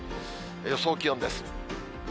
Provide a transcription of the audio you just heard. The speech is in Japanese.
予想気温です。